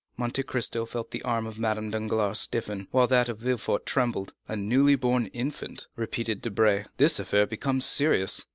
30225m Monte Cristo felt the arm of Madame Danglars stiffen, while that of Villefort trembled. "A newly born infant," repeated Debray; "this affair becomes serious!"